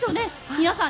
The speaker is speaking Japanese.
皆さん